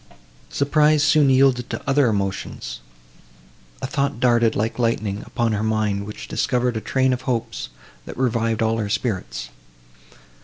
Surprise soon yielded to other emotions; a thought darted, like lightning, upon her mind, which discovered a train of hopes, that revived all her spirits.